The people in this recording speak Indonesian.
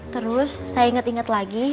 terus saya inget inget lagi